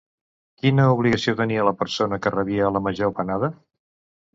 Quina obligació tenia la persona que rebia la major panada?